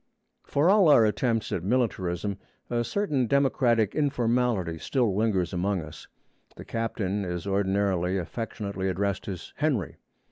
For all our attempts at militarism, a certain democratic informality still lingers among us. The captain is ordinarily affectionately addressed as 'Henry.'